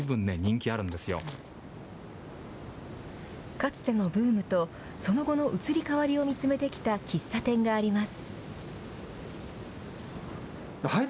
かつてのブームとその後の移り変わりを見つめてきた喫茶店があります。